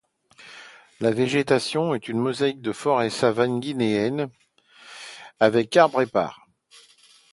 La végétation est une mosaïque de forêt-savane guinéenne avec arbres épars.